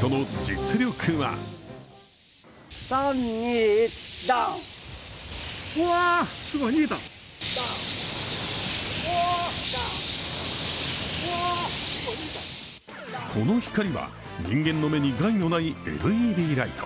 その実力はこの光は、人間の目に害のないＬＥＤライト。